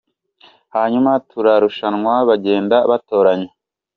Hanyuma turarushanwa bagenda batoranya.